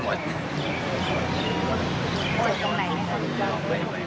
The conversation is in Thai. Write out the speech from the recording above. เจ็บตรงไหนนะครับ